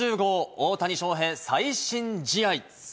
大谷翔平、最新試合。